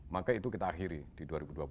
maka itu kita akhiri di dua ribu dua puluh